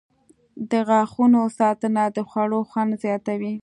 • د غاښونو ساتنه د خوړو خوند زیاتوي.